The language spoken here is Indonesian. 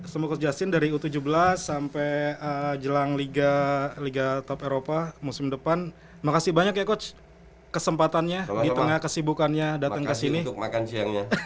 semoga jasin dari u tujuh belas sampai jelang liga liga top eropa musim depan makasih banyak ya coach